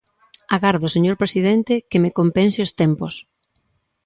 Agardo, señor presidente, que me compense os tempos.